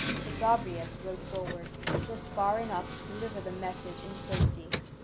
So Gobryas rode forward, just far enough to deliver the message in safety.